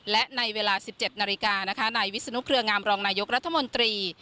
และในเวลา๑๗นาฬิกานะคะนายวิศนุเครืองามรองนายกรัฐมนตรี